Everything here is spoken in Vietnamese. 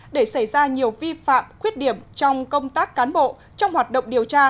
để xảy ra nhiều vi phạm khuyết điểm trong công tác cán bộ trong hoạt động điều tra